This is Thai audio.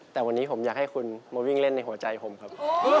แต่วันนี้ผมอยากให้คุณมาวิ่งเล่นในหัวใจผมครับ